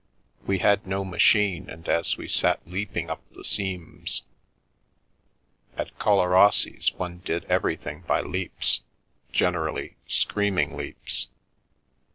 We had no machine and as we sat leaping up the seams — (at Collarossi's one did everything by leaps, generally u screaming leaps."